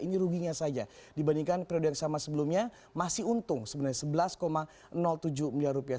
ini ruginya saja dibandingkan periode yang sama sebelumnya masih untung sebenarnya sebelas tujuh miliar rupiah